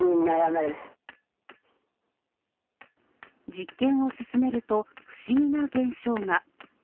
実験を進めると不思議な現象が。